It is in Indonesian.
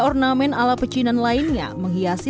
ornamen ala pecinan lainnya menghiasi